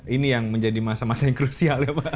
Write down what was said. ini yang menjadi masa masa yang krusial ya pak